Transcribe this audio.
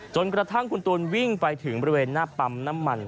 จนกระทั่งคุณตูนวิ่งไปถึงบริเวณหน้าปั๊มน้ำมัน